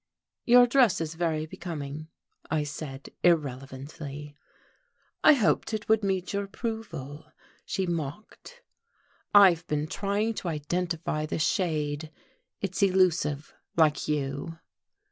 "Your dress is very becoming," I said irrelevantly. "I hoped it would meet your approval," she mocked. "I've been trying to identify the shade. It's elusive like you."